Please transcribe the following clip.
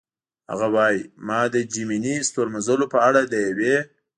هغه وايي: "ما د جیمیني ستورمزلو په اړه د یوې.